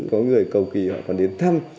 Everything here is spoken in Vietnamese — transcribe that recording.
có người cầu kỳ họ còn đến thăm